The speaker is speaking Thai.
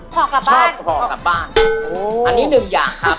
ห่อกลับบ้านห่อกลับบ้านอันนี้หนึ่งอย่างครับ